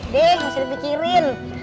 deh mesti dipikirin